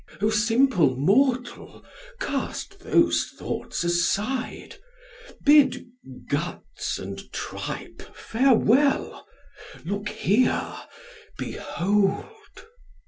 DEM. O simple mortal, cast those thoughts aside! Bid guts and tripe farewell! Look here! Behold!